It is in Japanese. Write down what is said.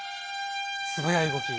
素早い動き。